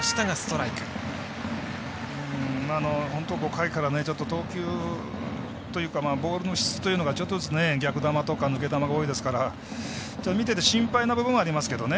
５回から投球というかボールの質というのがちょっとずつ逆球とか抜け球が多いですから見てて心配な部分はありますけど。